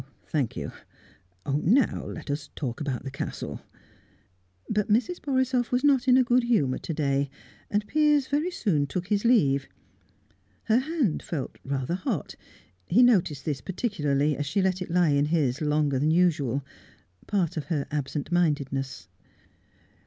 "Thank you. Now let us talk about the Castle." But Mrs. Borisoff was not in a good humour to day, and Piers very soon took his leave. Her hand felt rather hot; he noticed this particularly, as she let it lie in his longer than usual part of her absent mindedness.